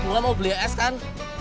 pelan buah mau beli es kan